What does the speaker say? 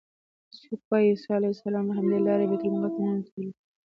څوک وایي عیسی علیه السلام له همدې لارې بیت المقدس ته ننوتلی و.